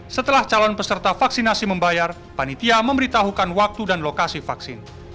setelah calon peserta vaksinasi membayar panitia memberitahukan waktu dan lokasi vaksin